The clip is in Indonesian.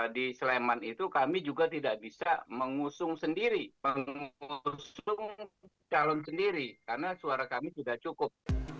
di sleman itu kami juga tidak bisa mengusung sendiri mengusung calon sendiri karena suara kami tidak cukup